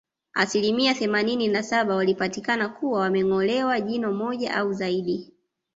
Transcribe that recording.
Asilimia themanini na saba walipatikana kuwa wamengolewa jino moja au zaidi